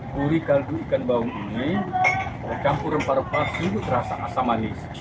buri kaldu ikan baung ini bercampur rempah rempah sungguh terasa asam manis